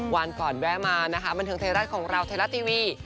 วันก่อนแวะมานะคะบรรเทอร์รัดของเราเทอร์รัดทีวี